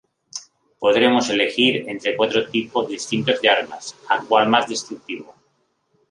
Podremos elegir entre cuatro tipos distintos de armas, a cual más destructivo.